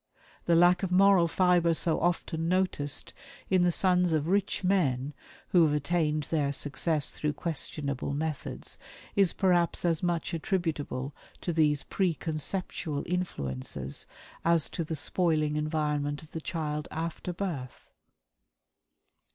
The lack of moral fibre so often noticed in the sons of rich men who have attained their success through questionable methods is perhaps as much attributable to these pre conceptual influences as to the "spoiling" environment of the child after birth.